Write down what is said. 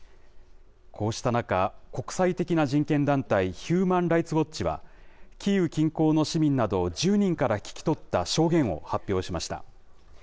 こうした中、国際的な人権団体、ヒューマン・ライツ・ウォッチは、キーウ近郊の市民など１０人から聞き取った証言を発表しました。